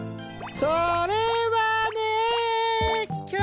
それはね。